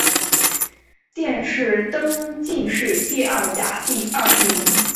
殿试登进士第二甲第二十名。